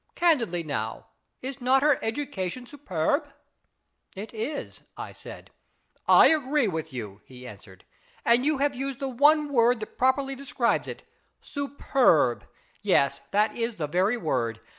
" Candidly now, is not her education superb ?"" It is," I said. " I agree with you," he answered, " and you have used the one word that properly describes it. Superb ! Yes, that is the very word.